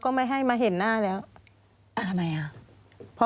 ควิทยาลัยเชียร์สวัสดีครับ